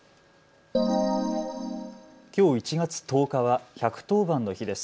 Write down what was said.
きょう１月１０日は１１０番の日です。